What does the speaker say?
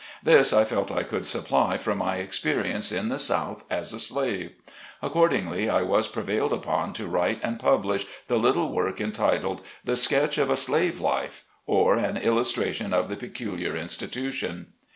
This I felt I could supply from my experience in the South as a slave. Accordingly, I was prevailed upon to write and publish the little work, entitled, IN BOSTON. 33 " The Sketch of a Slave life, or, an illustration of the peculiar institution."